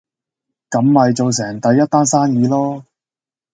咁咪做成第一單生意囉